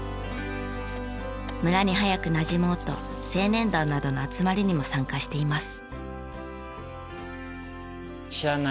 村に早くなじもうと青年団などの集まりにも参加しています。